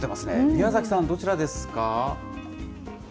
宮崎さん、どちらですか。